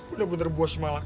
udah bener bos malah